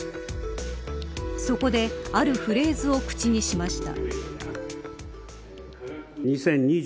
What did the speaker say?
そこで、あるフレーズを口にしました。